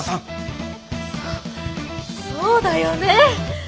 そそうだよね。